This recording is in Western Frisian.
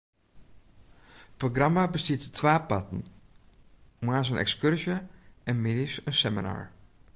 It programma bestiet út twa parten: moarns in ekskurzje en middeis in seminar.